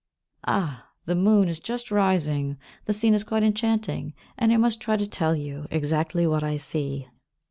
Ah! The moon is just rising; the scene is quite enchanting, and I must try to tell you exactly what I see.